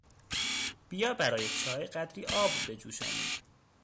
بیا برای چای قدری آب بجوشانیم.